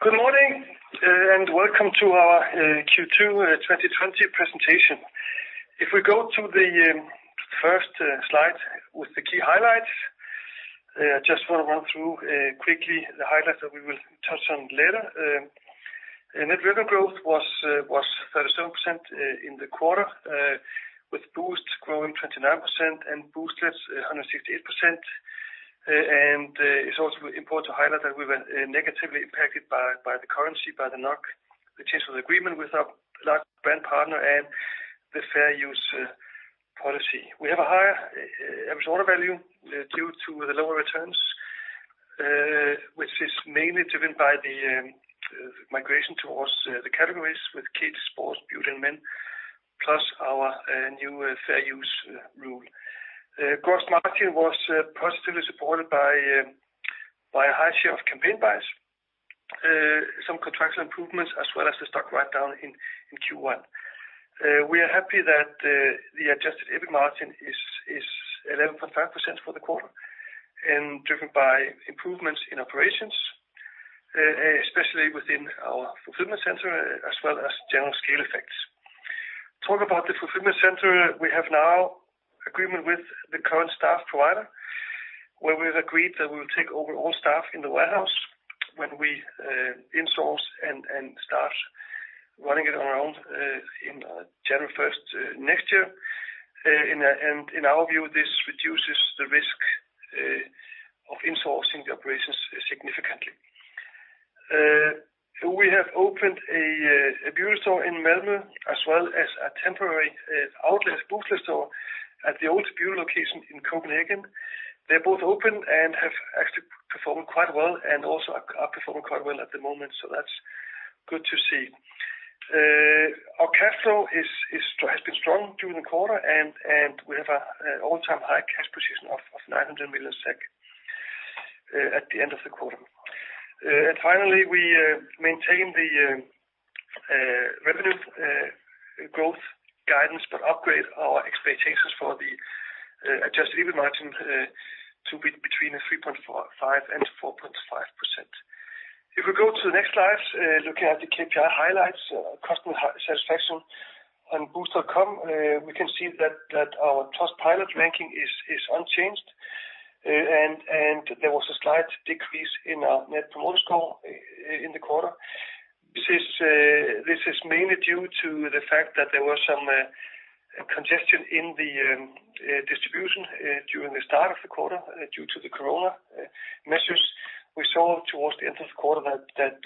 Good morning, and welcome to our Q2 2020 presentation. If we go to the first slide with the key highlights, just wanna run through quickly the highlights that we will touch on later. Net revenue growth was 37% in the quarter, with Boozt growing 29% and Booztlet 168%. It's also important to highlight that we were negatively impacted by the currency, by the NOK, the change of agreement with our large brand partner and the Fair Use policy. We have a higher average order value due to the lower returns, which is mainly driven by the migration towards the categories with kids, sports, beauty, and men, plus our new Fair Use rule. Gross margin was positively supported by a high share of campaign buys, some contractual improvements, as well as the stock write-down in Q1. We are happy that the Adjusted EBIT margin is 11.5% for the quarter, and driven by improvements in operations, especially within our fulfillment center, as well as general scale effects. Talk about the fulfillment center, we have now agreement with the current staff provider, where we've agreed that we will take over all staff in the warehouse when we insource and start running it around in January first next year. And in our view, this reduces the risk of insourcing the operations significantly. We have opened a beauty store in Malmö, as well as a temporary outlet Boozt store at the old beauty location in Copenhagen. They're both open and have actually performed quite well, and also are performing quite well at the moment, so that's good to see. Our cash flow has been strong during the quarter, and we have an all-time high cash position of 900 million SEK at the end of the quarter. And finally, we maintain the revenue growth guidance, but upgrade our expectations for the Adjusted EBIT margin to be between 3.45% and 4.5%. If we go to the next slide, looking at the KPI highlights, customer satisfaction on Boozt.com, we can see that our Trustpilot ranking is unchanged, and there was a slight decrease in our Net Promoter Score in the quarter. This is mainly due to the fact that there was some congestion in the distribution during the start of the quarter due to the corona measures. We saw towards the end of the quarter that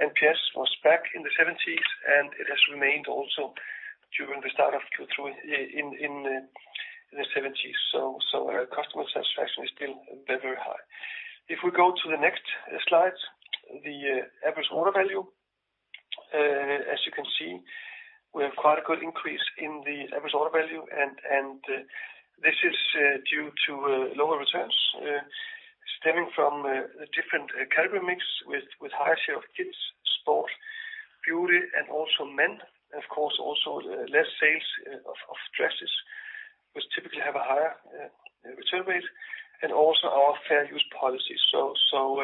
NPS was back in the seventies, and it has remained also during the start of Q3, in the seventies. So our customer satisfaction is still very, very high. If we go to the next slide, the average order value. As you can see, we have quite a good increase in the average order value, and, and, this is due to lower returns stemming from the different category mix with higher share of kids, sport, beauty, and also men. Of course, also, less sales of dresses, which typically have a higher return rate, and also our Fair Use policy. So, so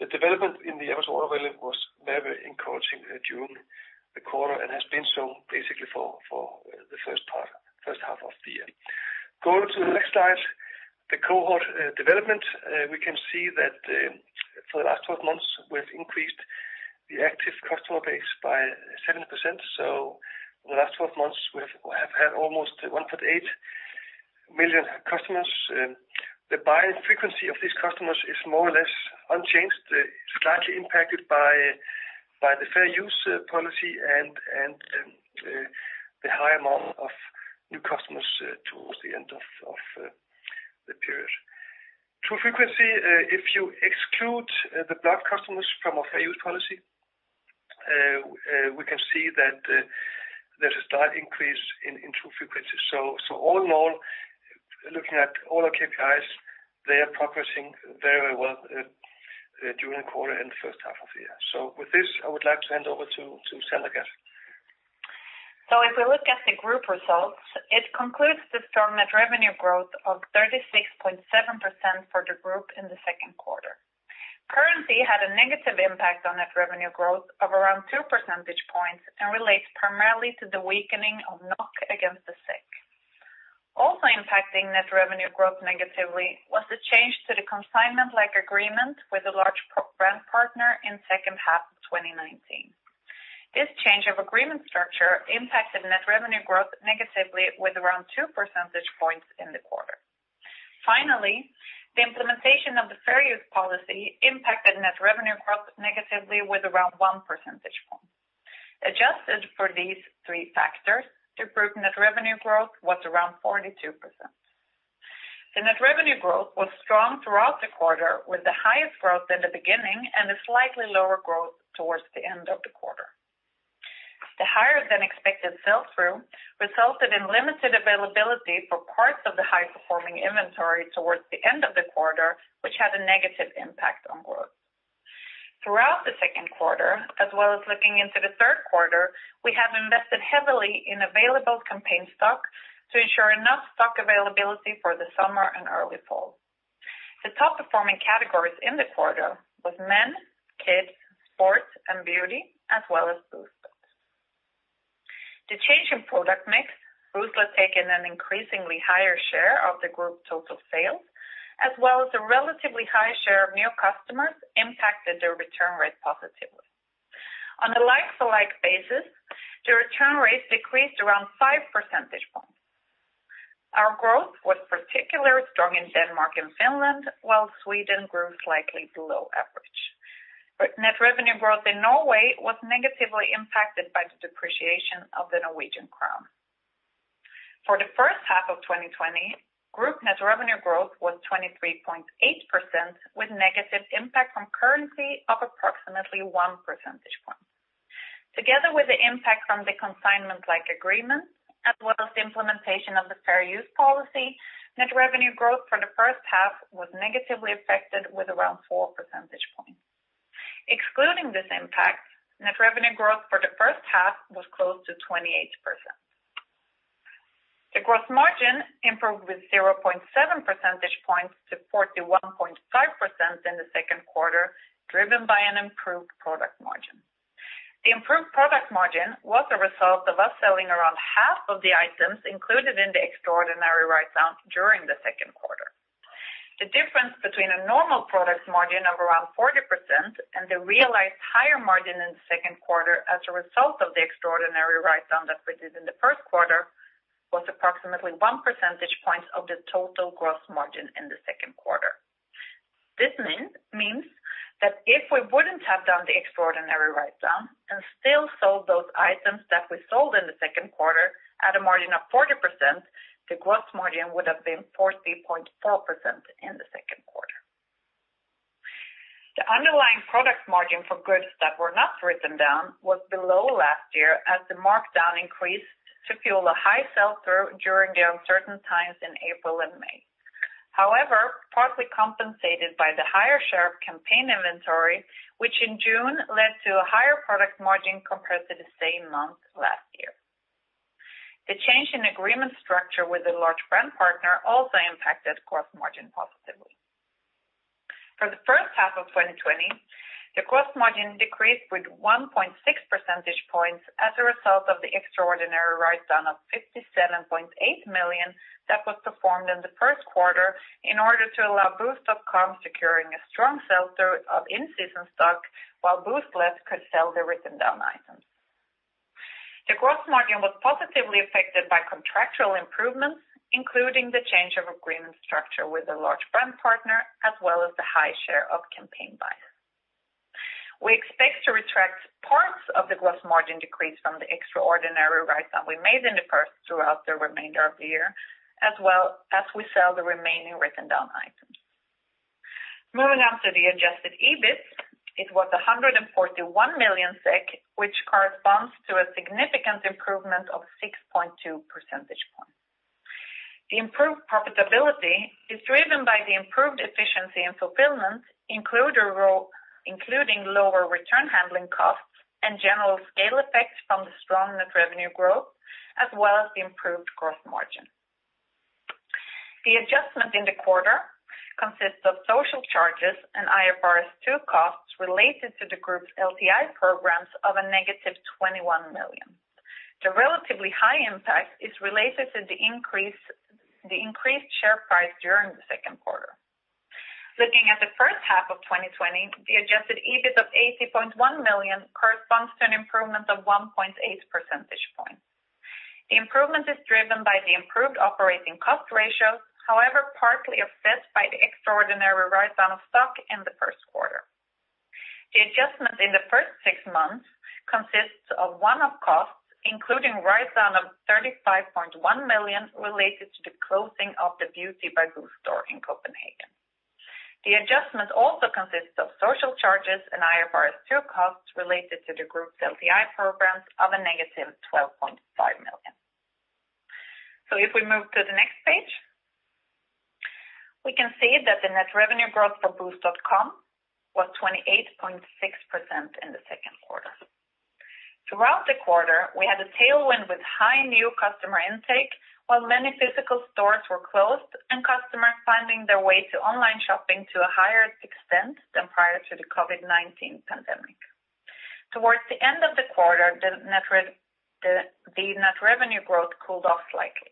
the development in the average order value was very encouraging during the quarter and has been so basically for the first part, first half of the year. Going to the next slide, the cohort development, we can see that, for the last 12 months, we've increased the active customer base by 7%. So the last 12 months, we've have had almost 1.8 million customers. The buying frequency of these customers is more or less unchanged, slightly impacted by the Fair Use policy and the high amount of new customers towards the end of the period. True frequency, if you exclude the blocked customers from our Fair Use policy, we can see that there's a slight increase in true frequency. All in all, looking at all our KPIs, they are progressing very well during the quarter and the first half of the year. With this, I would like to hand over to Sandra Gadd. So if we look at the group results, it concludes the strong net revenue growth of 36.7% for the group in the Q2. Currency had a negative impact on net revenue growth of around two percentage points, and relates primarily to the weakening of NOK against the SEK. Also impacting net revenue growth negatively, was the change to the consignment-like agreement with a large brand partner in second half of 2019. This change of agreement structure impacted net revenue growth negatively with around two percentage points in the quarter. Finally, the implementation of the Fair Use policy impacted net revenue growth negatively with around one percentage point. Adjusted for these three factors, the group net revenue growth was around 42%. The net revenue growth was strong throughout the quarter, with the highest growth in the beginning and a slightly lower growth towards the end of the quarter. The higher than expected sell-through resulted in limited availability for parts of the high-performing inventory towards the end of the quarter, which had a negative impact on growth. Throughout the Q2, as well as looking into the Q3 we have invested heavily in available campaign stock to ensure enough stock availability for the summer and early fall. The top performing categories in the quarter was men, kids, sports, and beauty, as well as Boozt. The change in product mix, Boozt has taken an increasingly higher share of the group total sales, as well as the relatively high share of new customers impacted the return rate positively. On a like-for-like basis, the return rates decreased around five percentage points. Our growth was particularly strong in Denmark and Finland, while Sweden grew slightly below average. But net revenue growth in Norway was negatively impacted by the depreciation of the Norwegian crown. For the first half of 2020, group net revenue growth was 23.8%, with negative impact from currency of approximately 1 percentage point. Together with the impact from the consignment-like agreement, as well as the implementation of the fair use policy, net revenue growth for the first half was negatively affected with around 4 percentage points. Excluding this impact, net revenue growth for the first half was close to 28%. The gross margin improved with 0.7 percentage points to 41.5% in the Q2, driven by an improved product margin. The improved product margin was a result of us selling around half of the items included in the extraordinary write-down during the Q2. The difference between a normal product margin of around 40% and the realized higher margin in the Q2 as a result of the extraordinary write-down that we did in the Q1 was approximately one percentage point of the total gross margin in the Q2. This means that if we wouldn't have done the extraordinary write-down and still sold those items that we sold in the Q2 at a margin of 40%, the gross margin would have been 40.4% in the Q2. The underlying product margin for goods that were not written down was below last year, as the markdown increased to fuel a high sell-through during the uncertain times in April and May. However, partly compensated by the higher share of campaign inventory, which in June led to a higher product margin compared to the same month last year. The change in agreement structure with a large brand partner also impacted gross margin positively. For the first half of 2020, the gross margin decreased with 1.6 percentage points as a result of the extraordinary write-down of 57.8 million that was performed in the Q1 in order to allow Boozt.com securing a strong sell-through of in-season stock, while Booztlet could sell the written down items. The gross margin was positively affected by contractual improvements, including the change of agreement structure with a large brand partner, as well as the high share of campaign buys. We expect to retract parts of the gross margin decrease from the extraordinary write-down we made in the first throughout the remainder of the year, as well as we sell the remaining written down items. Moving on to the Adjusted EBIT, it was 141 million SEK, which corresponds to a significant improvement of 6.2 percentage points. The improved profitability is driven by the improved efficiency and fulfillment, including lower return handling costs and general scale effects from the strong net revenue growth, as well as the improved gross margin. The adjustment in the quarter consists of social charges and IFRS 2 costs related to the group's LTI programs of negative 21 million. The relatively high impact is related to the increased share price during the Q2. Looking at the first half of 2020, the Adjusted EBIT of 80.1 million corresponds to an improvement of 1.8 percentage points. The improvement is driven by the improved operating cost ratio, however, partly offset by the extraordinary write-down of stock in the Q1. The adjustment in the first six months consists of one-off costs, including write-down of 35.1 million, related to the closing of the Beauty by Boozt store in Copenhagen. The adjustment also consists of social charges and IFRS 2 costs related to the group's LTI programs of -12.5 million. So if we move to the next page, we can see that the net revenue growth for Boozt.com was 28.6% in the Q2. Throughout the quarter, we had a tailwind with high new customer intake, while many physical stores were closed and customers finding their way to online shopping to a higher extent than prior to the COVID-19 pandemic. Towards the end of the quarter, the net revenue growth cooled off slightly.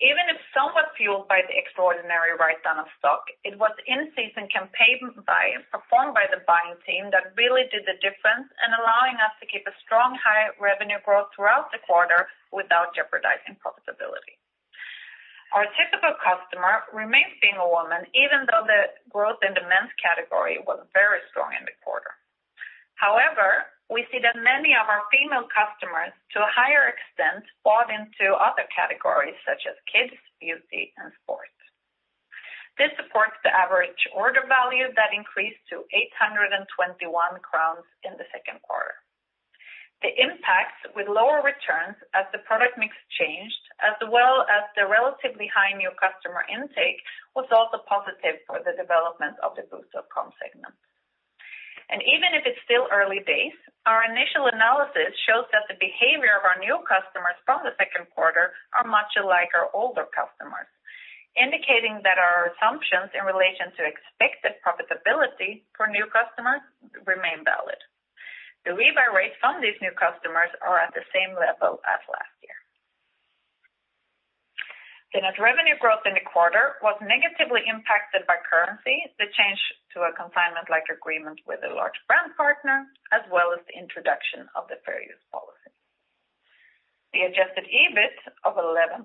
Even if somewhat fueled by the extraordinary write-down of stock, it was in-season campaign buys performed by the buying team that really did the difference in allowing us to keep a strong, high revenue growth throughout the quarter without jeopardizing profitability. Our typical customer remains being a woman, even though the growth in the men's category was very strong in the quarter. However, we see that many of our female customers, to a higher extent, bought into other categories such as kids, beauty, and sports. This supports the average order value that increased to 821 crowns in the Q2. The impact with lower returns as the product mix changed, as well as the relatively high new customer intake, was also positive for the development of the Boozt.com segment. Even if it's still early days, our initial analysis shows that the behavior of our new customers from the Q2 are much alike our older customers... indicating that our assumptions in relation to expected profitability for new customers remain valid. The rebate rates from these new customers are at the same level as last year. The net revenue growth in the quarter was negatively impacted by currency, the change to a consignment-like agreement with a large brand partner, as well as the introduction of the Fair Use policy. The Adjusted EBIT of 11.2%,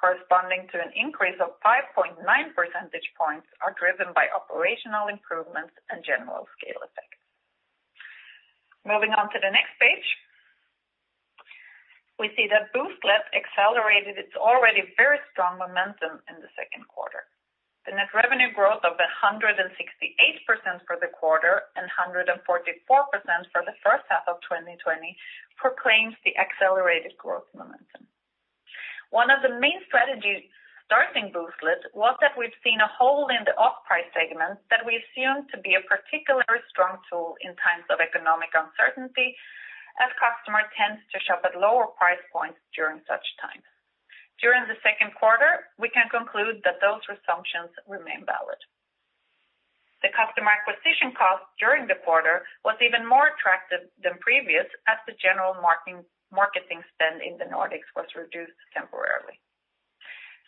corresponding to an increase of 5.9 percentage points, are driven by operational improvements and general scale effects. Moving on to the next page, we see that Booztlet accelerated its already very strong momentum in the Q2. The net revenue growth of 168% for the quarter, and 144% for the first half of 2020, proclaims the accelerated growth momentum. One of the main strategies starting Booztlet was that we've seen a hole in the off-price segment that we assumed to be a particularly strong tool in times of economic uncertainty, as customers tends to shop at lower price points during such times. During the Q2, we can conclude that those assumptions remain valid. The customer acquisition cost during the quarter was even more attractive than previous, as the general marketing, marketing spend in the Nordics was reduced temporarily.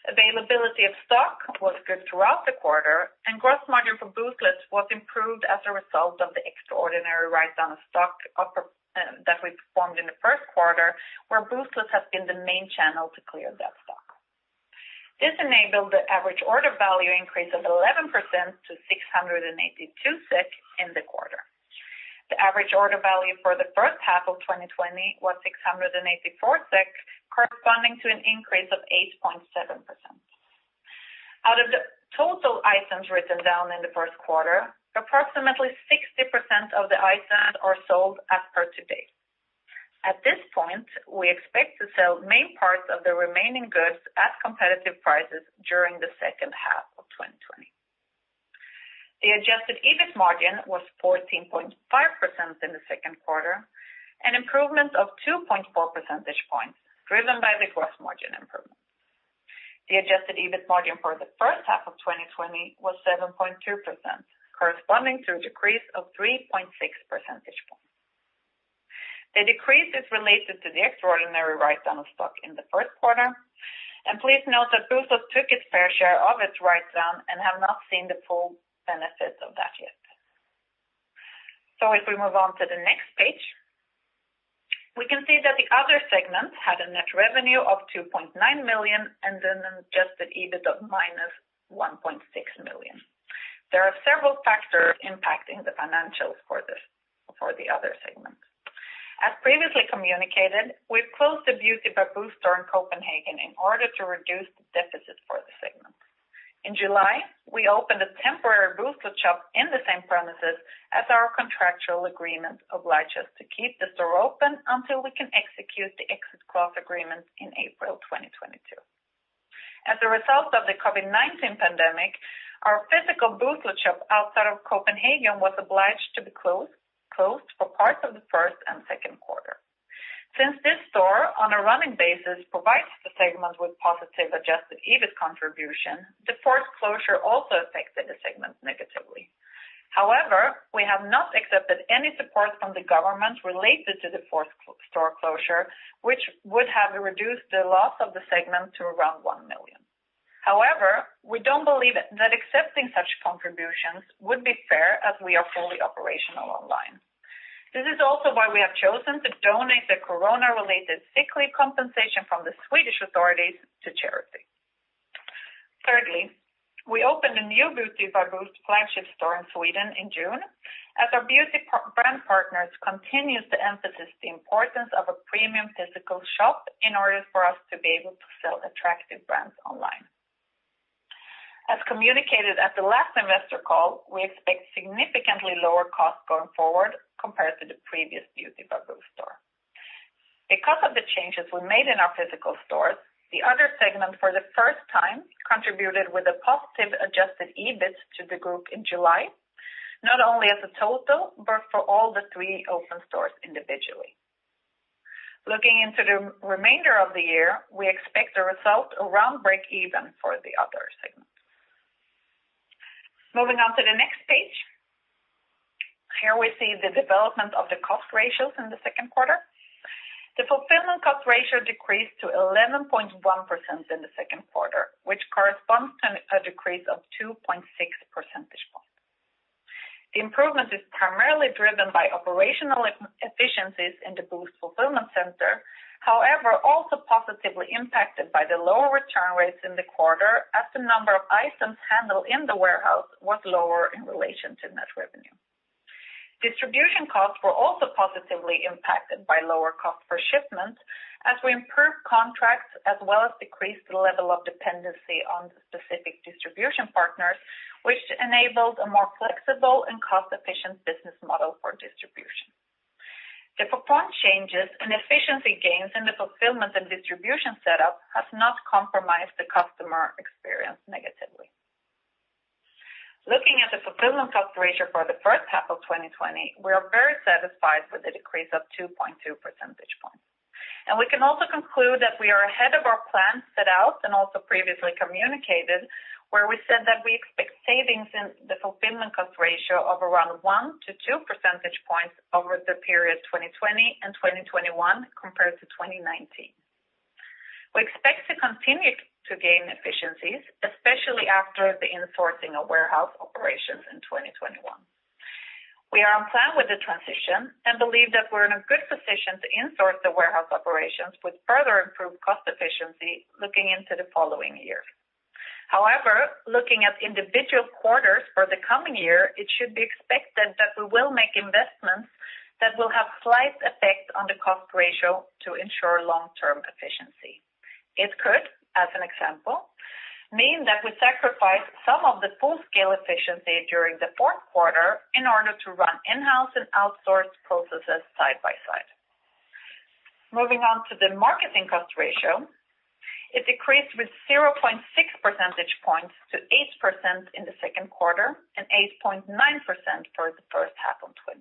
Availability of stock was good throughout the quarter, and gross margin for Booztlet was improved as a result of the extraordinary write-down of stock offer, that we performed in the Q1, where Booztlet has been the main channel to clear that stock. This enabled the average order value increase of 11% to 682 SEK in the quarter. The average order value for the first half of 2020 was 684 SEK, corresponding to an increase of 8.7%. Out of the total items written down in the Q1, approximately 60% of the items are sold as per to date. At this point, we expect to sell main parts of the remaining goods at competitive prices during the second half of 2020. The Adjusted EBIT margin was 14.5% in the Q2, an improvement of 2.4 percentage points, driven by the gross margin improvement. The Adjusted EBIT margin for the first half of 2020 was 7.2%, corresponding to a decrease of 3.6 percentage points. The decrease is related to the extraordinary write-down of stock in the Q1, and please note that Booztlet took its fair share of its write-down and have not seen the full benefits of that yet. So if we move on to the next page, we can see that the other segment had a net revenue of 2.9 million, and an Adjusted EBIT of -1.6 million. There are several factors impacting the financials for this, for the other segment. As previously communicated, we've closed the Beauty by Boozt store in Copenhagen in order to reduce the deficit for the segment. In July, we opened a temporary Booztlet shop in the same premises as our contractual agreement oblige us to keep the store open until we can execute the exit clause agreement in April 2022. As a result of the COVID-19 pandemic, our physical Booztlet shop outside of Copenhagen was obliged to be closed, closed for parts of the Q1 and Q2. Since this store, on a running basis, provides the segment with positive Adjusted EBIT contribution, the forced closure also affected the segment negatively. However, we have not accepted any support from the government related to the forced closure, which would have reduced the loss of the segment to around 1 million. However, we don't believe that accepting such contributions would be fair, as we are fully operational online. This is also why we have chosen to donate the corona-related sick leave compensation from the Swedish authorities to charity. Thirdly, we opened a new Beauty by Boozt flagship store in Sweden in June, as our beauty brand partners continue to emphasize the importance of a premium physical shop in order for us to be able to sell attractive brands online. As communicated at the last investor call, we expect significantly lower costs going forward compared to the previous Beauty by Boozt store. Because of the changes we made in our physical stores, the other segment for the first time contributed with a positive adjusted EBIT to the group in July, not only as a total, but for all three open stores individually. Looking into the remainder of the year, we expect a result around break even for the other segment. Moving on to the next page, here we see the development of the cost ratios in the Q2. The fulfillment cost ratio decreased to 11.1% in the Q2, which corresponds to a decrease of 2.6 percentage points. The improvement is primarily driven by operational efficiencies in the Boozt fulfillment center, however, also positively impacted by the lower return rates in the quarter, as the number of items handled in the warehouse was lower in relation to net revenue. Distribution costs were also positively impacted by lower cost per shipment as we improved contracts, as well as decreased the level of dependency on the specific distribution partners, which enabled a more flexible and cost-efficient business model for distribution. The proposed changes and efficiency gains in the fulfillment and distribution setup has not compromised the customer experience. Looking at the fulfillment cost ratio for the first half of 2020, we are very satisfied with the decrease of 2.2 percentage points. And we can also conclude that we are ahead of our plan set out and also previously communicated, where we said that we expect savings in the fulfillment cost ratio of around 1-2 percentage points over the period 2020 and 2021 compared to 2019. We expect to continue to gain efficiencies, especially after the insourcing of warehouse operations in 2021. We are on plan with the transition and believe that we're in a good position to insource the warehouse operations with further improved cost efficiency looking into the following year. However, looking at individual quarters for the coming year, it should be expected that we will make investments that will have slight effect on the cost ratio to ensure long-term efficiency. It could, as an example, mean that we sacrifice some of the full-scale efficiency during the Q4 in order to run in-house and outsourced processes side by side. Moving on to the marketing cost ratio, it decreased with 0.6 percentage points to 8% in the Q2 and 8.9% for the first half of 2020.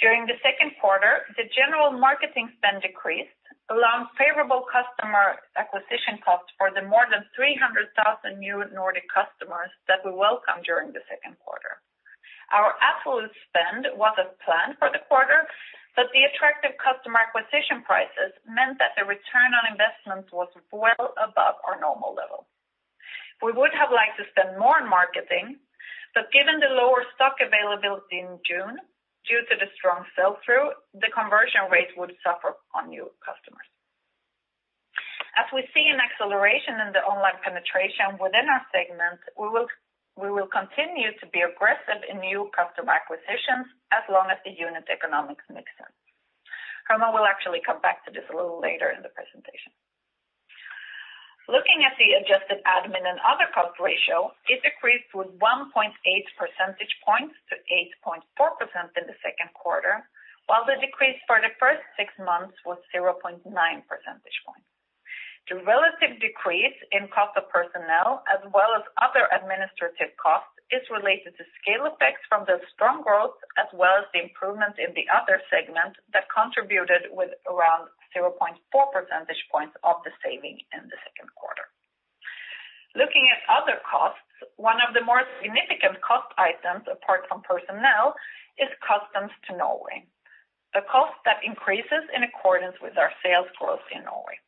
During the Q2, the general marketing spend decreased, allowing favorable customer acquisition costs for the more than 300,000 new Nordic customers that we welcomed during the Q2. Our absolute spend was as planned for the quarter, but the attractive customer acquisition prices meant that the return on investment was well above our normal level. We would have liked to spend more on marketing, but given the lower stock availability in June, due to the strong sell-through, the conversion rate would suffer on new customers. As we see an acceleration in the online penetration within our segment, we will, we will continue to be aggressive in new customer acquisitions as long as the unit economics make sense. Carmen will actually come back to this a little later in the presentation. Looking at the adjusted admin and other cost ratio, it decreased with 1.8 percentage points to 8.4% in the Q2, while the decrease for the first six months was 0.9 percentage points. The relative decrease in cost of personnel, as well as other administrative costs, is related to scale effects from the strong growth, as well as the improvement in the other segment that contributed with around 0.4 percentage points of the saving in the Q2. Looking at other costs, one of the more significant cost items, apart from personnel, is customs to Norway, a cost that increases in accordance with our sales growth in Norway.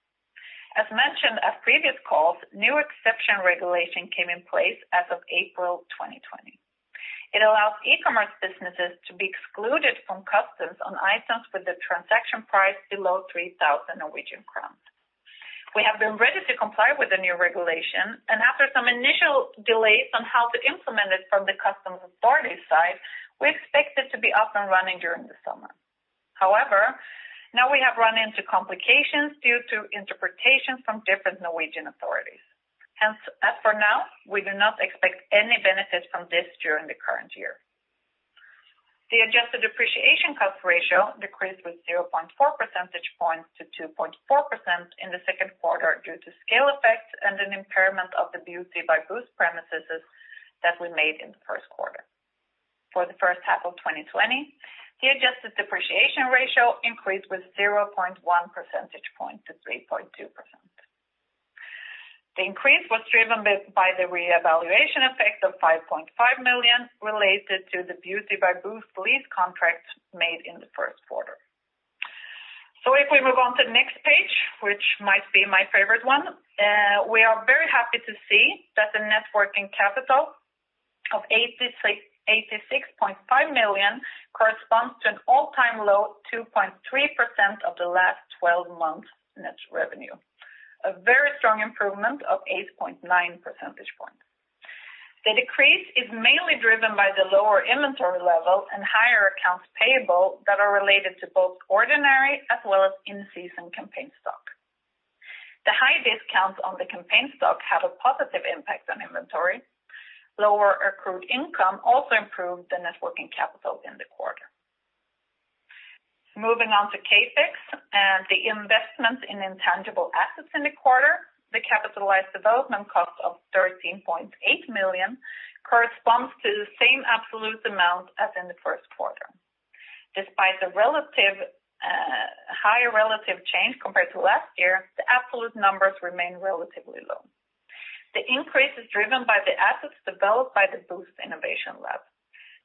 As mentioned at previous calls, new exception regulation came in place as of April 2020. It allows e-commerce businesses to be excluded from customs on items with a transaction price below 3,000 Norwegian kroner. We have been ready to comply with the new regulation, and after some initial delays on how to implement it from the customs authority side, we expect it to be up and running during the summer. However, now we have run into complications due to interpretation from different Norwegian authorities. Hence, as for now, we do not expect any benefit from this during the current year. The adjusted depreciation cost ratio decreased with 0.4 percentage points to 2.4% in the Q2 due to scale effects and an impairment of the Beauty by Boozt premises that we made in the Q1. For the first half of 2020, the adjusted depreciation ratio increased with 0.1 percentage point to 3.2%. The increase was driven by the reevaluation effect of 5.5 million, related to the Beauty by Boozt lease contract made in the Q1. So if we move on to the next page, which might be my favorite one, we are very happy to see that the net working capital of 86.5 million corresponds to an all-time low, 2.3% of the last twelve months net revenue, a very strong improvement of 8.9 percentage points. The decrease is mainly driven by the lower inventory level and higher accounts payable that are related to both ordinary as well as in-season campaign stock. The high discounts on the campaign stock had a positive impact on inventory. Lower accrued income also improved the net working capital in the quarter. Moving on to CapEx and the investment in intangible assets in the quarter, the capitalized development cost of 13.8 million corresponds to the same absolute amount as in the Q1. Despite the relative, higher relative change compared to last year, the absolute numbers remain relatively low. The increase is driven by the assets developed by the Boozt Innovation Lab.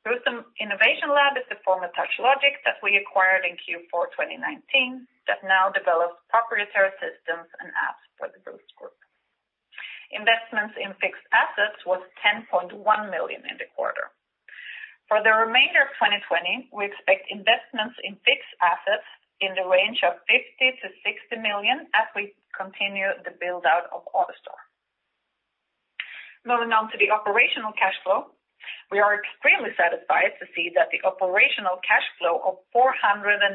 Boozt Innovation Lab is the former Touchlogic that we acquired in Q4 2019, that now develops proprietary systems and apps for the Boozt Group. Investments in fixed assets was 10.1 million in the quarter. For the remainder of 2020, we expect investments in fixed assets in the range of 50 million-60 million as we continue the build-out of AutoStore. Moving on to the operational cash flow, we are extremely satisfied to see that the operational cash flow of 493.8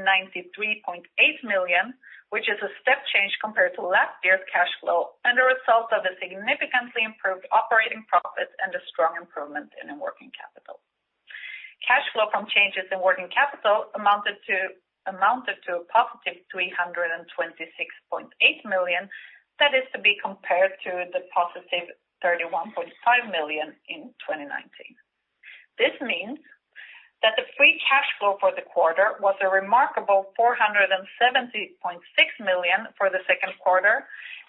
million, which is a step change compared to last year's cash flow, and a result of the significantly improved operating profit and a strong improvement in the working capital. Cash flow from changes in working capital amounted to a positive 326.8 million. That is to be compared to the positive 31.5 million in 2019. This means that the free cash flow for the quarter was a remarkable 470.6 million for the Q2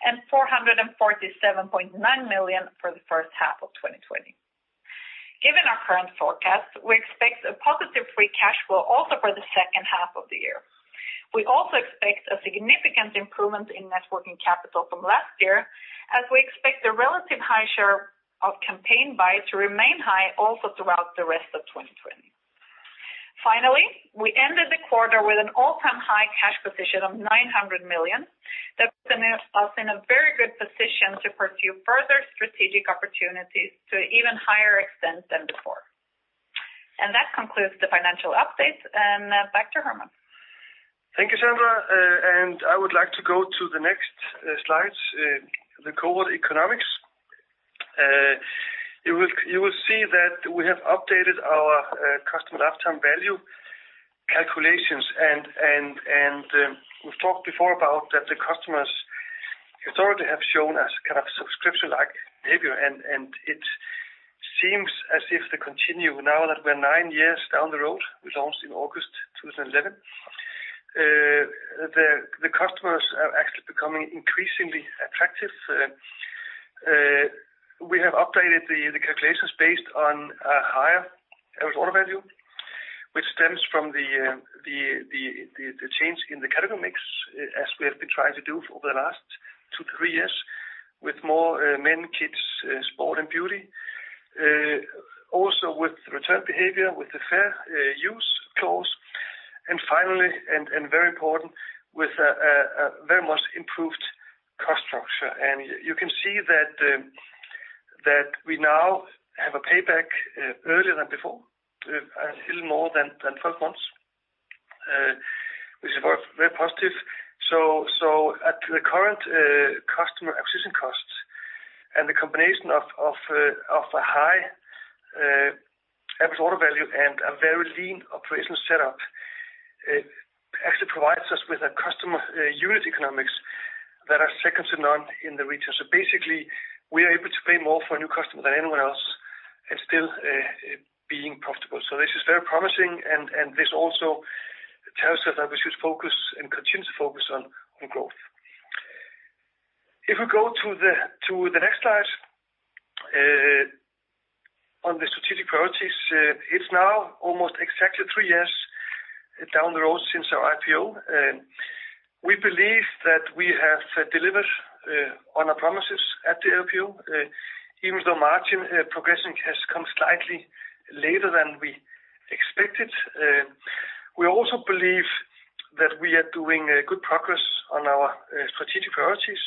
and 447.9 million for the first half of 2020. Given our current forecast, we expect a positive free cash flow also for the second half of the year. We also expect a significant improvement in net working capital from last year, as we expect a relatively high share of campaign buy to remain high also throughout the rest of 2020. Finally, we ended the quarter with an all-time high cash position of 900 million, that puts us in a very good position to pursue further strategic opportunities to an even higher extent than before. And that concludes the financial update, and back to Hermann. Thank you, Sandra. And I would like to go to the next slides, the cohort economics. You will see that we have updated our customer lifetime value calculations, and we've talked before about that the customers historically have shown us kind of subscription-like behavior, and it seems as if they continue now that we're nine years down the road. We launched in August 2011. The customers are actually becoming increasingly attractive. We have updated the calculations based on a higher average order value, which stems from the change in the category mix, as we have been trying to do over the last two, three years, with more men, kids, sport, and beauty. Also with the return behavior, with the Fair Use clause, and finally, very important, with a very much improved cost structure. And you can see that we now have a payback earlier than before, a little more than 12 months, which is very, very positive. So at the current customer acquisition costs and the combination of a high average order value and a very lean operational setup, it actually provides us with a customer unit economics that are second to none in the region. So basically, we are able to pay more for a new customer than anyone else and still being profitable. So this is very promising, and this also tells us that we should focus and continue to focus on growth. If we go to the next slide on the strategic priorities, it's now almost exactly three years down the road since our IPO, and we believe that we have delivered on our promises at the IPO, even though margin progression has come slightly later than we expected. We also believe that we are doing good progress on our strategic priorities.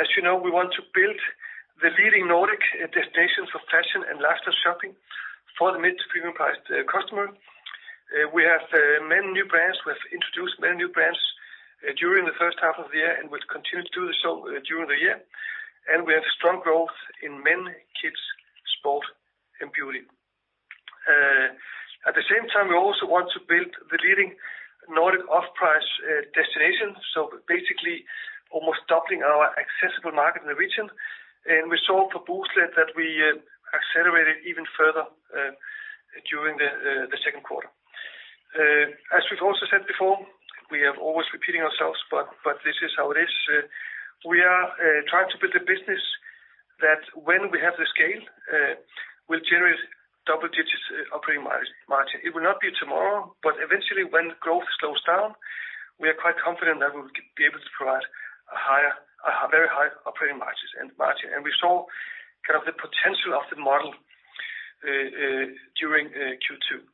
As you know, we want to build the leading Nordic destination for fashion and lifestyle shopping for the mid to premium priced customer. We have many new brands. We have introduced many new brands during the first half of the year, and we'll continue to do so during the year, and we have strong growth in men, kids, sport, and beauty. At the same time, we also want to build the leading Nordic off-price destination, so basically almost doubling our accessible market in the region. And we saw for Booztlet that we accelerated even further during the Q2. As we've also said before, we are always repeating ourselves, but this is how it is. We are trying to build a business that when we have the scale will generate double digits operating margin, margin. It will not be tomorrow, but eventually, when growth slows down, we are quite confident that we will be able to provide a higher, a very high operating margins and margin. And we saw kind of the potential of the model during Q2.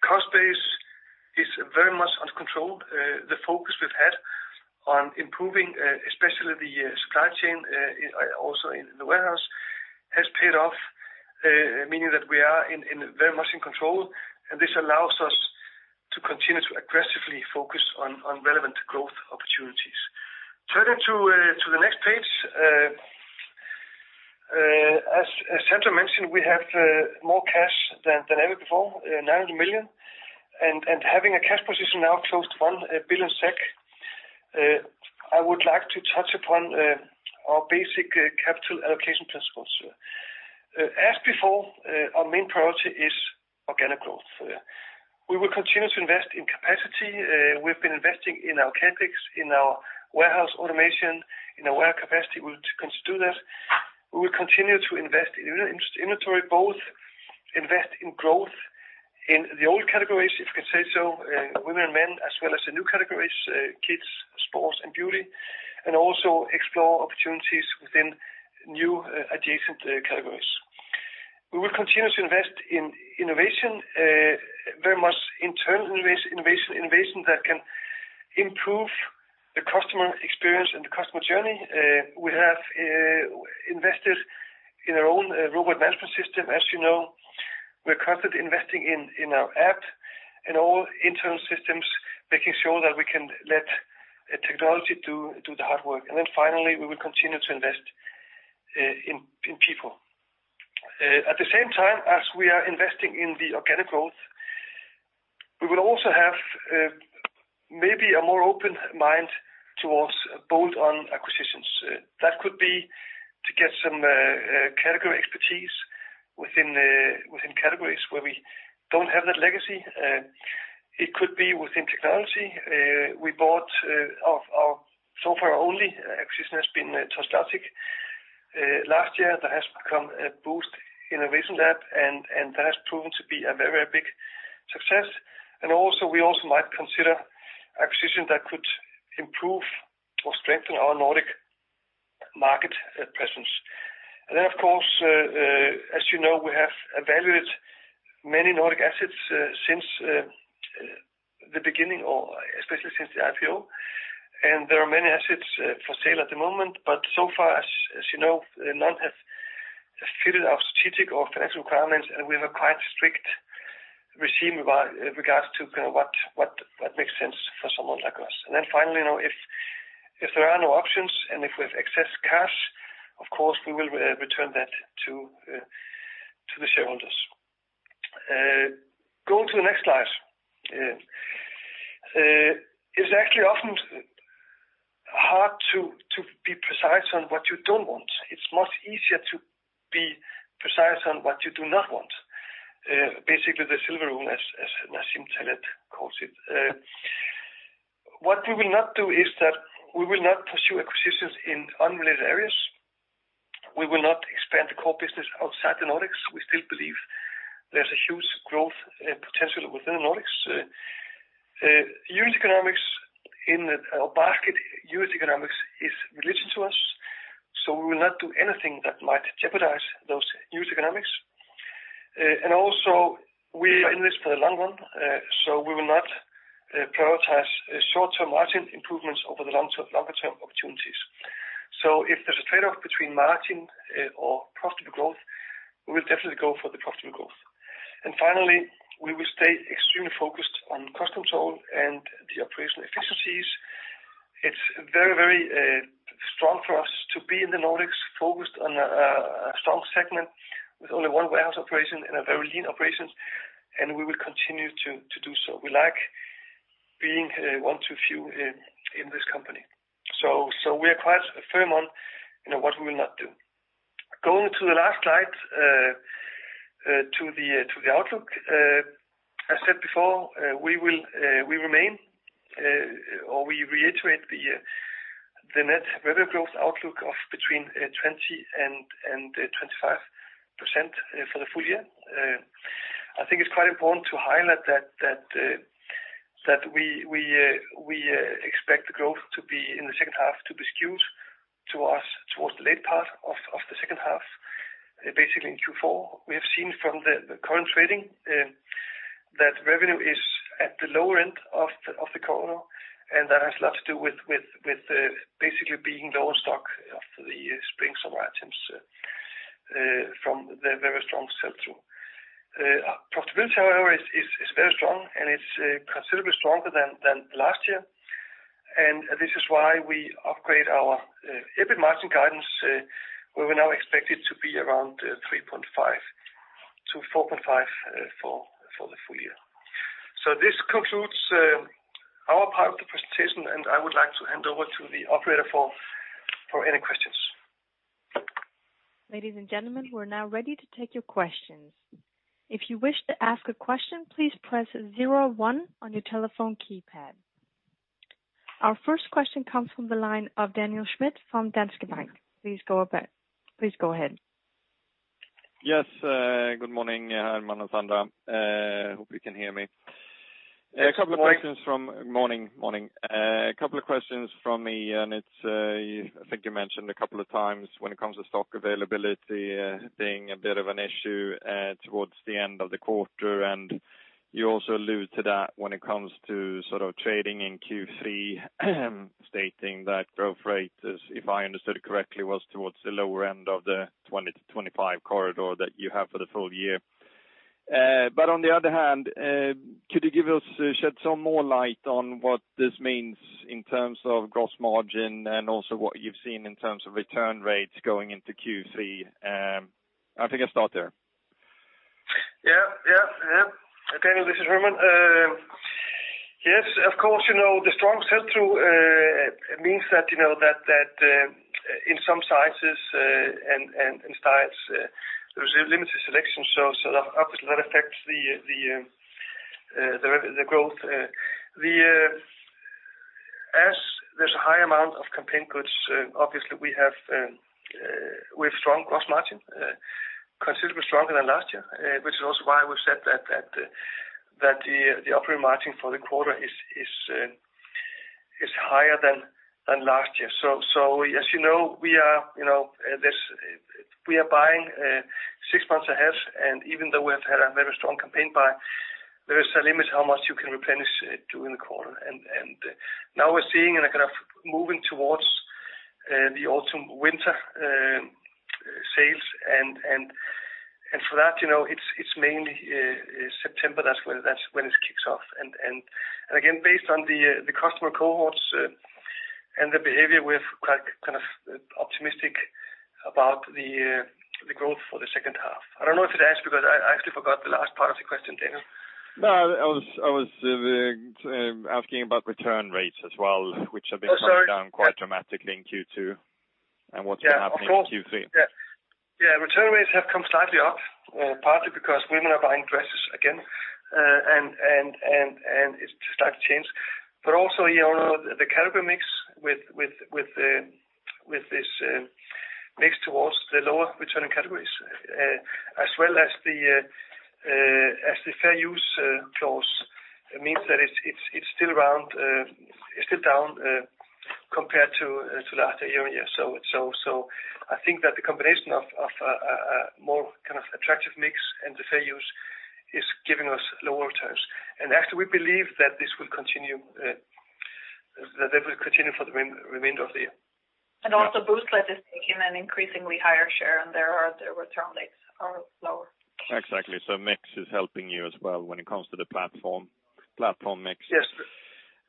Cost base is very much under control. The focus we've had on improving, especially the supply chain, also in the warehouse, has paid off, meaning that we are very much in control, and this allows us to continue to aggressively focus on relevant growth opportunities. Turning to the next page, as Sandra mentioned, we have more cash than ever before, 900 million, and having a cash position now close to 1 billion SEK, I would like to touch upon our basic capital allocation principles. As before, our main priority is organic growth. We will continue to invest in capacity. We've been investing in our CapEx, in our warehouse automation, in our warehouse capacity. We will continue to do that. We will continue to invest in inventory, both invest in growth in the old categories, if you can say so, women and men, as well as the new categories, kids, sports and beauty, and also explore opportunities within new, adjacent categories. We will continue to invest in innovation, very much internal innovation, innovation that can improve the customer experience and the customer journey. We have invested in our own robot management system. As you know, we're constantly investing in our app and all internal systems, making sure that we can let technology do the hard work. And then finally, we will continue to invest in people. At the same time, as we are investing in the organic growth, we will also have maybe a more open mind towards bolt-on acquisitions. That could be to get some category expertise within categories where we don't have that legacy. It could be within technology. We bought, so far, our only acquisition has been Touchlogic. Last year, it has become the Boozt Innovation Lab, and that has proven to be a very, very big success. And also, we also might consider acquisition that could improve or strengthen our Nordic market presence. And then, of course, as you know, we have evaluated many Nordic assets since the beginning, or especially since the IPO, and there are many assets for sale at the moment, but so far, as you know, none have fitted our strategic or financial requirements, and we have a quite strict regime in regards to kind of what makes sense for someone like us. Then finally, you know, if there are no options, and if we have excess cash, of course, we will return that to the shareholders. Go to the next slide. It's actually often hard to be precise on what you don't want. It's much easier to be precise on what you do not want. Basically, the silver rule, as Nassim Taleb calls it. What we will not do is that we will not pursue acquisitions in unrelated areas. We will not expand the core business outside the Nordics. We still believe there's a huge growth potential within the Nordics. Unit economics in our basket, unit economics is religion to us, so we will not do anything that might jeopardize those unit economics. And also, we are in this for the long run, so we will not prioritize short-term margin improvements over the long-term, longer-term opportunities. So if there's a trade-off between margin or profitable growth, we will definitely go for the profitable growth. And finally, we will stay extremely focused on cost control and the operational efficiencies. It's very, very strong for us to be in the Nordics, focused on a strong segment with only one warehouse operation and a very lean operations, and we will continue to do so. We like being one to few in this company. So we are quite firm on, you know, what we will not do. Going to the last slide, to the outlook. I said before, we will, we remain, or we reiterate the net revenue growth outlook of between 20% and 25% for the full year. I think it's quite important to highlight that we expect the growth to be in the second half, to be skewed towards the late part of the second half, basically in Q4. We have seen from the current trading that revenue is at the lower end of the corridor, and that has a lot to do with basically being low on stock of the spring summer items from the very strong sell-through. Profitability, however, is very strong, and it's considerably stronger than last year, and this is why we upgrade our EBIT margin guidance, where we now expect it to be around 3.5-4.5 for the full year. This concludes our part of the presentation, and I would like to hand over to the operator for any questions. Ladies and gentlemen, we're now ready to take your questions. If you wish to ask a question, please press zero one on your telephone keypad. Our first question comes from the line of Daniel Schmidt from Danske Bank. Please go ahead. Yes, good morning, Herman and Sandra. Hope you can hear me. Yes. Morning, morning. A couple of questions from me, and it's, I think you mentioned a couple of times when it comes to stock availability, being a bit of an issue, towards the end of the quarter, and you also allude to that when it comes to sort of trading in Q3, stating that growth rate is, if I understood it correctly, was towards the lower end of the 20-25 corridor that you have for the full year. But on the other hand, could you give us, shed some more light on what this means in terms of gross margin and also what you've seen in terms of return rates going into Q3? I think I'll start there. Yeah, yeah, yeah. Okay, this is Herman. Yes, of course, you know, the strong sell-through means that, you know, that in some sizes and styles there's a limited selection, so obviously that affects the growth. As there's a high amount of campaign goods, obviously we have strong gross margin, considerably stronger than last year, which is also why we've said that the operating margin for the quarter is higher than last year. So as you know, we are buying six months ahead, and even though we have had a very strong campaign buy, there is a limit how much you can replenish during the quarter. And now we're seeing and kind of moving towards the autumn, winter sales, and for that, you know, it's mainly September, that's when it kicks off. And again, based on the customer cohorts and the behavior, we're quite kind of optimistic about the growth for the second half. I don't know if you asked because I actually forgot the last part of the question, Daniel. No, I was asking about return rates as well, which have been- Oh, sorry. coming down quite dramatically in Q2, and what's happening in Q3? Yeah. Yeah, return rates have come slightly up, partly because women are buying dresses again. And it's just like to change. But also, you know, the category mix with this mix towards the lower returning categories, as well as the Fair Use clause means that it's still around, it's still down, compared to last year. So I think that the combination of a more kind of attractive mix and the Fair Use is giving us lower returns. And actually, we believe that this will continue, that they will continue for the remainder of the year. Also, Booztlet is taking an increasingly higher share, and their return rates are lower. Exactly. So mix is helping you as well when it comes to the platform, platform mix? Yes.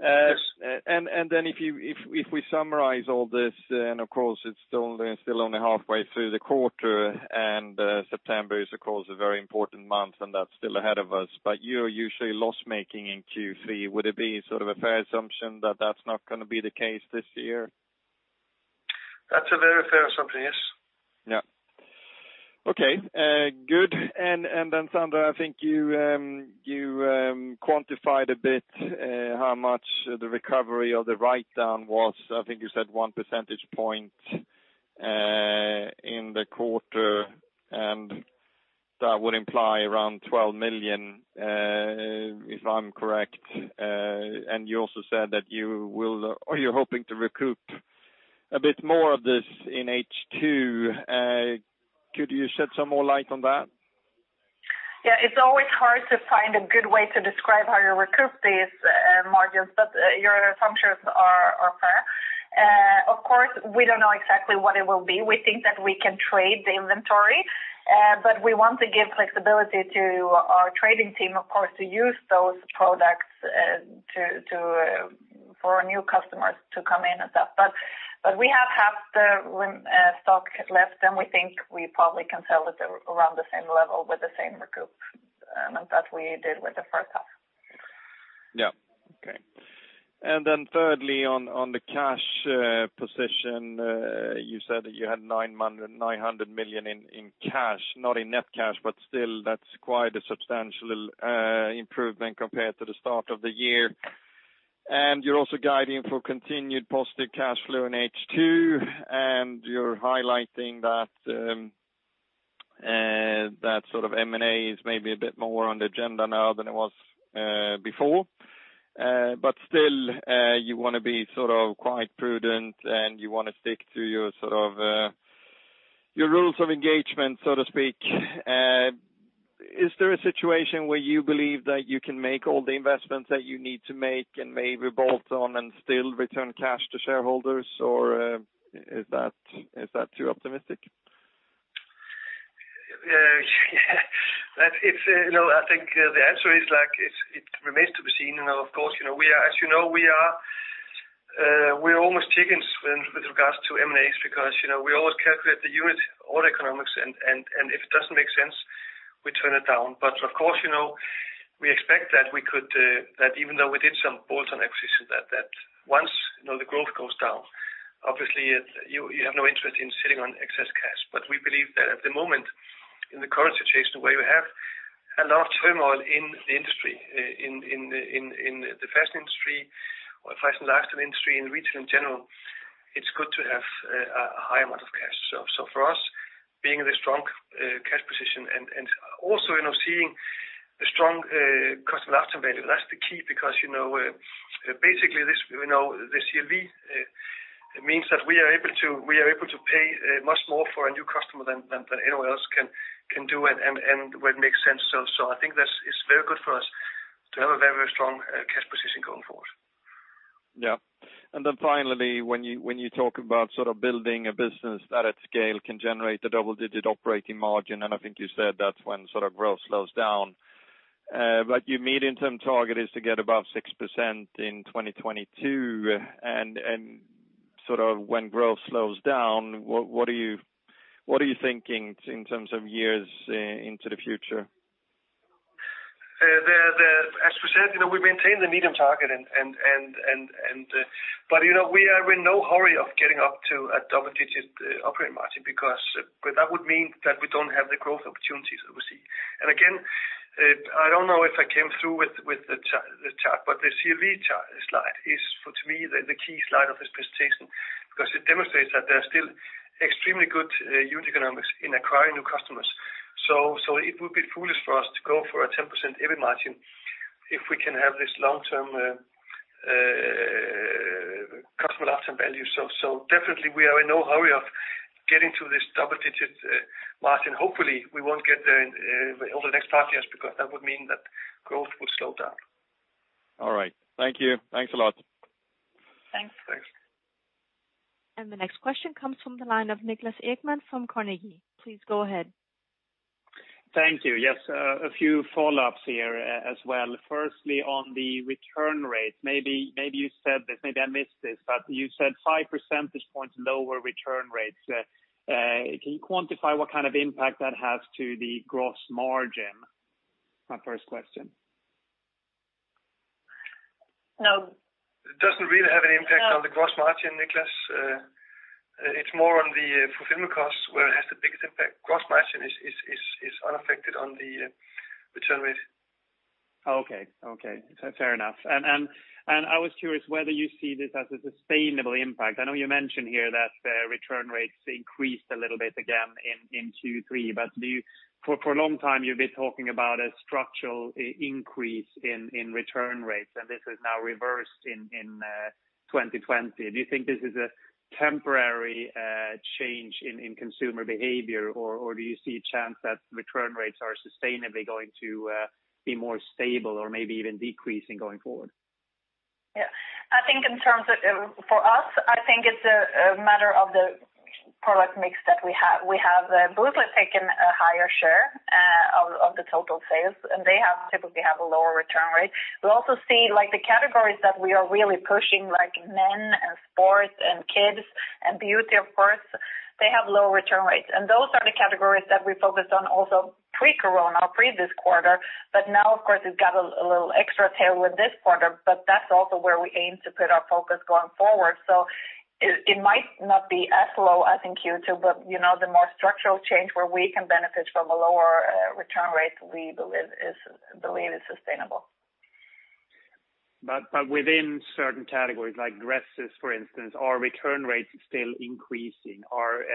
And then, if we summarize all this, and of course, it's still only halfway through the quarter, and September is, of course, a very important month, and that's still ahead of us, but you're usually loss-making in Q3. Would it be sort of a fair assumption that that's not gonna be the case this year? That's a very fair assumption, yes. Yeah. Okay, good. And then, Sandra, I think you quantified a bit how much the recovery or the write-down was. I think you said one percentage point in the quarter, and that would imply around 12 million, if I'm correct. And you also said that you will... Are you hoping to recoup a bit more of this in H2? Could you shed some more light on that? Yeah, it's always hard to find a good way to describe how you recoup these margins, but your assumptions are fair. Of course, we don't know exactly what it will be. We think that we can trade the inventory, but we want to give flexibility to our trading team, of course, to use those products for new customers to come in and stuff. But we have half the stock left, and we think we probably can sell it around the same level with the same recoup that we did with the first half. Yeah. Okay. And then thirdly, on the cash position, you said that you had 900 million in cash, not in net cash, but still that's quite a substantial improvement compared to the start of the year. And you're also guiding for continued positive cash flow in H2, and you're highlighting that that sort of M&A is maybe a bit more on the agenda now than it was before. But still, you wanna be sort of quite prudent, and you wanna stick to your sort of your rules of engagement, so to speak. Is there a situation where you believe that you can make all the investments that you need to make and maybe bolt on and still return cash to shareholders, or is that too optimistic? Yeah, that it's, you know, I think, the answer is, like, it, it remains to be seen. You know, of course, you know, we are, as you know, we are, we're almost chickens with regards to M&As because, you know, we always calculate the unit, all economics, and if it doesn't make sense, we turn it down. But of course, you know, we expect that we could, that even though we did some bolt-on acquisition, that once, you know, the growth goes down, obviously, you have no interest in sitting on excess cash. But we believe that at the moment, in the current situation, where you have a lot of turmoil in the industry, in the fashion industry, or fashion lifestyle industry, in retail in general, it's good to have a high amount of cash. So, for us, being in a strong cash position and also, you know, seeing a strong customer lifetime value, that's the key because, you know, basically, this, you know, the CLV means that we are able to pay much more for a new customer than anyone else can do and what makes sense. So, I think that's. It's very good for us to have a very strong cash position going forward. Yeah. And then finally, when you, when you talk about sort of building a business that at scale can generate a double-digit operating margin, and I think you said that's when sort of growth slows down. But your medium-term target is to get above 6% in 2022, and, and sort of when growth slows down, what, what are you, what are you thinking in terms of years into the future? As we said, you know, we've maintained the medium target and but, you know, we are in no hurry of getting up to a double-digit operating margin, because that would mean that we don't have the growth opportunities that we see. And again, I don't know if I came through with the chart, but the CLV slide is, for me, the key slide of this presentation, because it demonstrates that there are still extremely good unit economics in acquiring new customers. So it would be foolish for us to go for a 10% EBIT margin if we can have this long-term customer lifetime value. So definitely we are in no hurry of getting to this double-digit margin. Hopefully, we won't get there over the next five years, because that would mean that growth will slow down. All right. Thank you. Thanks a lot. Thanks. The next question comes from the line of Niklas Ekman from Carnegie. Please go ahead. Thank you. Yes, a few follow-ups here as well. Firstly, on the return rate, maybe, maybe you said this, maybe I missed this, but you said five percentage points lower return rates. Can you quantify what kind of impact that has to the gross margin? My first question. No, it doesn't really have any impact on the gross margin, Niklas. It's more on the fulfillment costs where it has the biggest impact. Gross margin is unaffected on the return rate. Okay. Okay, fair enough. I was curious whether you see this as a sustainable impact. I know you mentioned here that return rates increased a little bit again in Q3, but do you for a long time, you've been talking about a structural increase in return rates, and this is now reversed in 2020. Do you think this is a temporary change in consumer behavior, or do you see a chance that return rates are sustainably going to be more stable or maybe even decreasing going forward? Yeah. I think in terms of, for us, I think it's a matter of the product mix that we have. We have Boozt taken a higher share of the total sales, and they typically have a lower return rate. We also see, like, the categories that we are really pushing, like men and sports and kids and beauty, of course, they have low return rates. And those are the categories that we focused on also pre-corona or pre this quarter. But now, of course, it's got a little extra tail with this quarter, but that's also where we aim to put our focus going forward. So it might not be as low as in Q2, but, you know, the more structural change where we can benefit from a lower return rate, we believe is sustainable. But within certain categories, like dresses, for instance, are return rates still increasing? Or,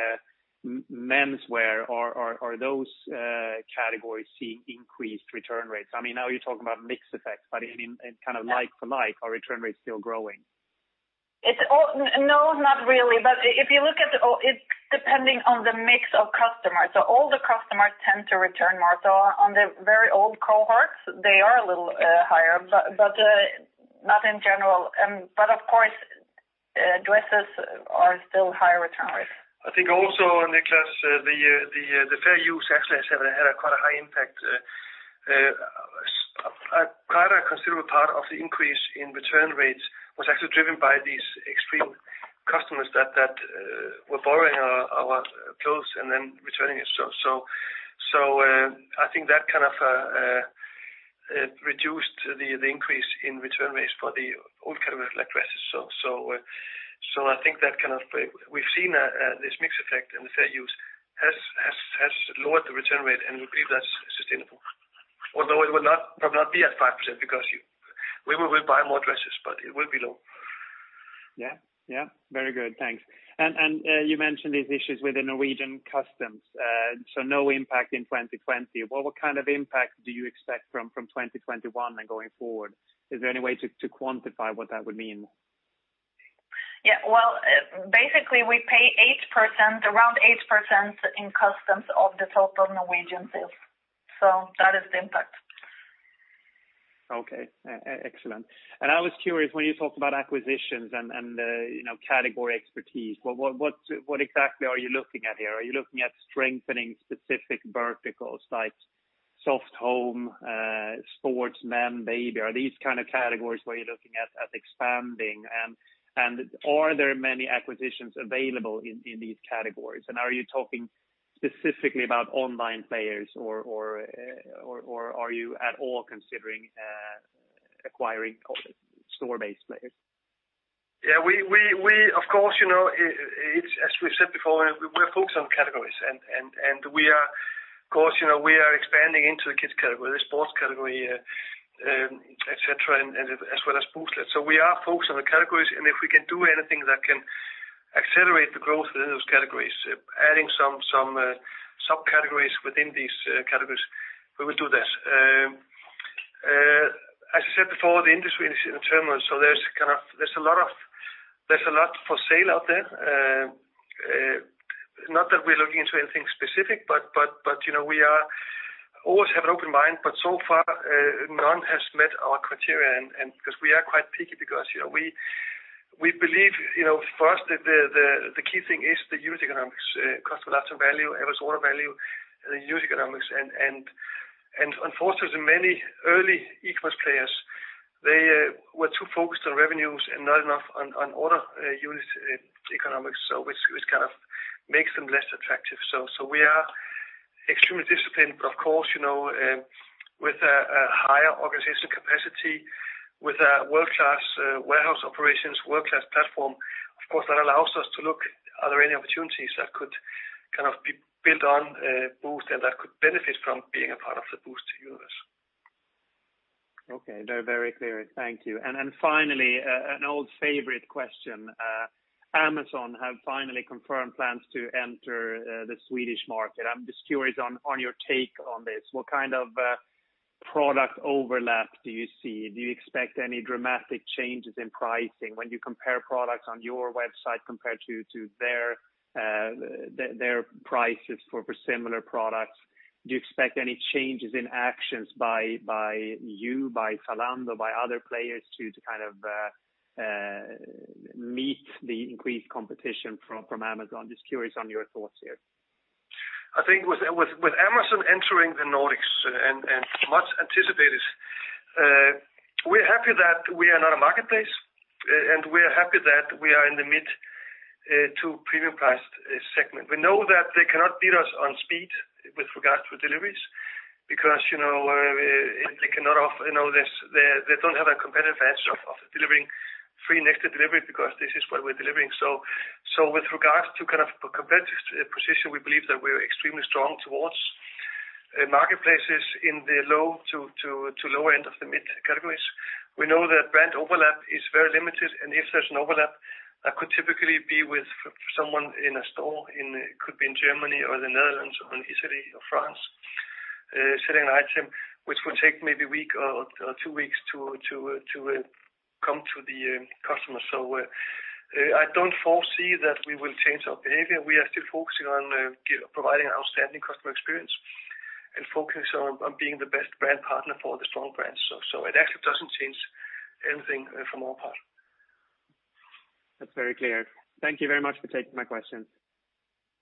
menswear, are those categories seeing increased return rates? I mean, now you're talking about mix effects, but I mean, in kind of like for like, are return rates still growing? It's all. No, not really. But if you look at, it's depending on the mix of customers. So older customers tend to return more. So on the very old cohorts, they are a little higher, but, but not in general. But of course, dresses are still high return rate. I think also, Niklas, the Fair Use actually has had quite a high impact. Quite a considerable part of the increase in return rates was actually driven by these extreme customers that were borrowing our clothes and then returning it. So, I think that kind of reduced the increase in return rates for the apparel category, like dresses. So, I think that kind of, we've seen this mix effect, and the Fair Use has lowered the return rate, and we believe that's sustainable. Although it will not, probably not be at 5% because we will buy more dresses, but it will be low. Yeah. Yeah, very good. Thanks. You mentioned these issues with the Norwegian customs, so no impact in 2020. What kind of impact do you expect from 2021 and going forward? Is there any way to quantify what that would mean? Yeah, well, basically, we pay 8%, around 8% in customs of the total Norwegian sales, so that is the impact. Okay, excellent. And I was curious, when you talked about acquisitions and, you know, category expertise, what exactly are you looking at here? Are you looking at strengthening specific verticals like soft home, sports, men, baby? Are these kind of categories where you're looking at expanding? And are there many acquisitions available in these categories? And are you talking specifically about online players or, or, or are you at all considering acquiring store-based players? Yeah, we of course, you know, it's as we said before, we're focused on categories, and we are, of course, you know, we are expanding into the kids category, the sports category, et cetera, and as well as Booztlet. So we are focused on the categories, and if we can do anything that can accelerate the growth within those categories, adding some subcategories within these categories, we will do that. As I said before, the industry is in turmoil, so there's a lot for sale out there. Not that we're looking into anything specific, but you know, we are always have an open mind, but so far, none has met our criteria. Because we are quite picky because, you know, we believe, you know, first, the key thing is the unit economics, CAC, CLV, AOV, unit economics. And unfortunately, many early e-commerce players, they were too focused on revenues and not enough on unit economics, so which kind of makes them less attractive. So, we are extremely disciplined, but of course, you know, with a higher organizational capacity, with a world-class warehouse operations, world-class platform, of course, that allows us to look, are there any opportunities that could kind of be built on Boozt, and that could benefit from being a part of the Boozt universe? Okay, no, very clear. Thank you. And finally, an old favorite question. Amazon have finally confirmed plans to enter the Swedish market. I'm just curious on your take on this. What kind of product overlap do you see? Do you expect any dramatic changes in pricing when you compare products on your website compared to their-... their prices for similar products. Do you expect any changes in actions by you, by Zalando, by other players to kind of meet the increased competition from Amazon? Just curious on your thoughts here. I think with Amazon entering the Nordics and much anticipated, we're happy that we are not a marketplace, and we are happy that we are in the mid- to premium-priced segment. We know that they cannot beat us on speed with regards to deliveries because, you know, they cannot offer, you know, this, they don't have a competitive edge of delivering free next-day delivery because this is what we're delivering. So with regards to kind of competitive position, we believe that we're extremely strong towards marketplaces in the low- to lower end of the mid categories. We know that brand overlap is very limited, and if there's an overlap, that could typically be with someone in a store, could be in Germany or the Netherlands or in Italy or France, selling an item, which would take maybe a week or two weeks to come to the customer. So, I don't foresee that we will change our behavior. We are still focusing on providing outstanding customer experience and focus on being the best brand partner for the strong brands. So it actually doesn't change anything from our part. That's very clear. Thank you very much for taking my questions.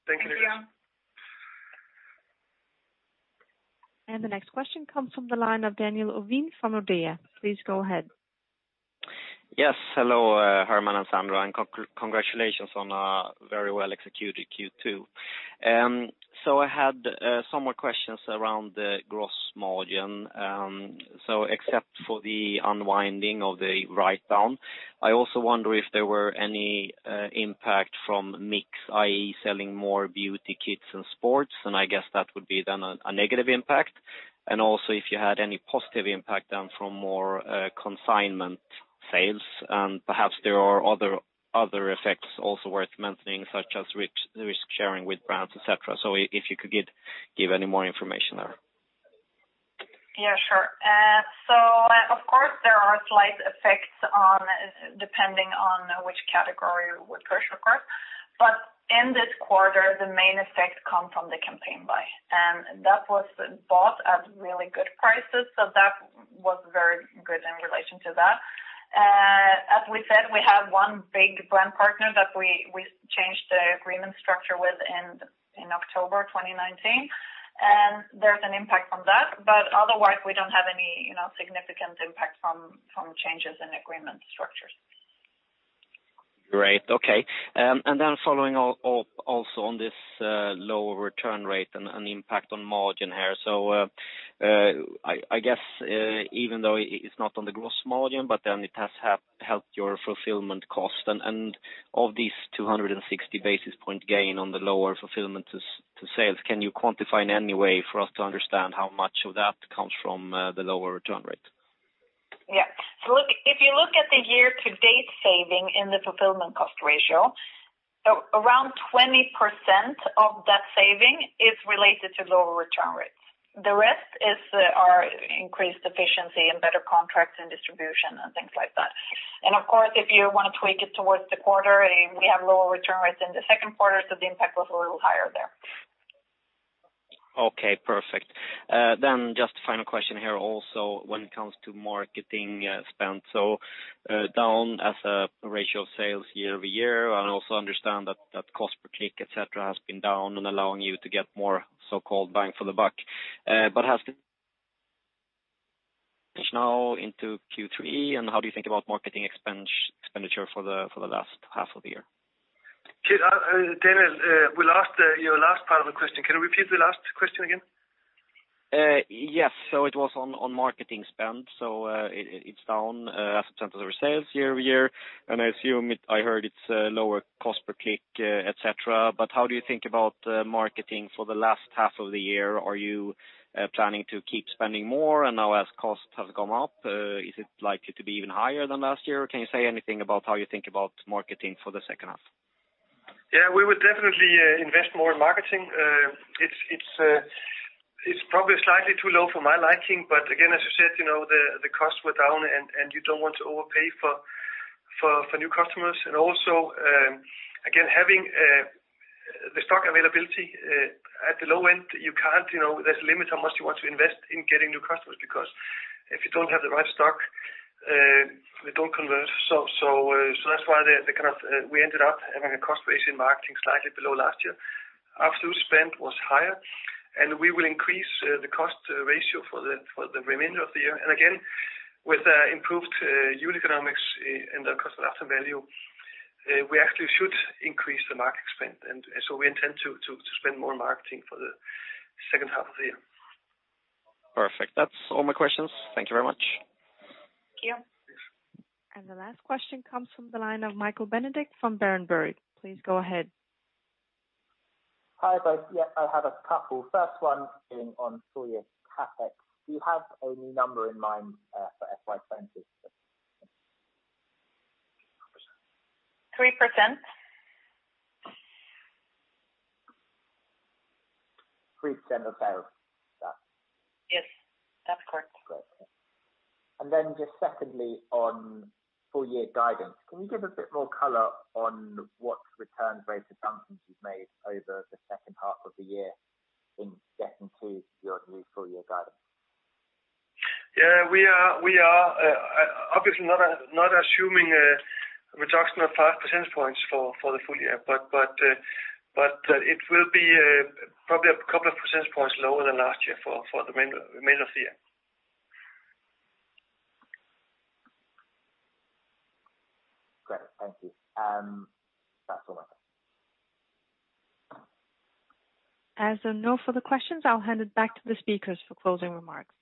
Thank you. Thank you. The next question comes from the line of Daniel Ovin from Nordea. Please go ahead. Yes. Hello, Herman and Sandra, and congratulations on a very well executed Q2. So I had some more questions around the gross margin. So except for the unwinding of the write-down, I also wonder if there were any impact from mix, i.e., selling more beauty kits and sports, and I guess that would be then a negative impact. And also if you had any positive impact down from more consignment sales, and perhaps there are other effects also worth mentioning, such as risk sharing with brands, et cetera. So if you could give any more information there. Yeah, sure. So of course, there are slight effects on, depending on which category would push or curve. But in this quarter, the main effect come from the campaign buy, and that was bought at really good prices, so that was very good in relation to that. As we said, we have one big brand partner that we, we changed the agreement structure with in October 2019, and there's an impact on that. But otherwise, we don't have any, you know, significant impact from changes in agreement structures. Great. Okay. And then following up also on this lower return rate and impact on margin here. So, I guess, even though it's not on the gross margin, but then it has helped your fulfillment cost. And of these 260 basis points gain on the lower fulfillment to sales, can you quantify in any way for us to understand how much of that comes from the lower return rate? Yeah. So look, if you look at the year to date saving in the fulfillment cost ratio, around 20% of that saving is related to lower return rates. The rest is, are increased efficiency and better contracts and distribution and things like that. And of course, if you want to tweak it towards the quarter, we have lower return rates in the Q2, so the impact was a little higher there. Okay, perfect. Then just final question here also when it comes to marketing spend. So, down as a ratio of sales year-over-year, I also understand that that cost per click, et cetera, has been down and allowing you to get more so-called bang for the buck. But has the... now into Q3, and how do you think about marketing expenditure for the last half of the year? Daniel, we lost your last part of the question. Can you repeat the last question again? Yes. So it was on marketing spend. So, it's down as a percent of our sales year-over-year, and I assume I heard it's lower cost per click, et cetera. But how do you think about marketing for the last half of the year? Are you planning to keep spending more? And now as cost has gone up, is it likely to be even higher than last year? Or can you say anything about how you think about marketing for the second half? Yeah, we would definitely invest more in marketing. It's probably slightly too low for my liking, but again, as you said, you know, the costs were down, and you don't want to overpay for new customers. And also, again, having the stock availability at the low end, you can't, you know, there's a limit how much you want to invest in getting new customers, because if you don't have the right stock, we don't convert. So that's why they kind of we ended up having a cost base in marketing slightly below last year. Absolute spend was higher, and we will increase the cost ratio for the remainder of the year. And again, with improved unit economics and the customer value, we actually should increase the market spend, and so we intend to spend more on marketing for the second half of the year. Perfect. That's all my questions. Thank you very much. Thank you. The last question comes from the line of Michael Benedict from Berenberg. Please go ahead. Hi, both. Yeah, I have a couple. First one being on full year CapEx. Do you have a new number in mind for FY 2022? 3%. 3% of sales? Yes, that's correct. Great. And then just secondly, on full year guidance, can you give a bit more color on what return rate assumptions you've made over the second half of the year in getting to your new full year guidance? Yeah, we are obviously not assuming reduction of 5 percentage points for the full year, but it will be probably a couple of percentage points lower than last year for the remainder of the year. Great. Thank you. That's all I have. As there are no further questions, I'll hand it back to the speakers for closing remarks.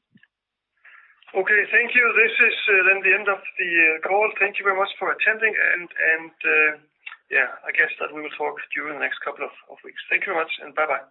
Okay, thank you. This is then the end of the call. Thank you very much for attending, and yeah, I guess that we will talk during the next couple of weeks. Thank you very much, and bye-bye.